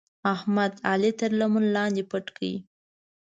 احمد؛ علي تر لمن لاندې پټ کړ.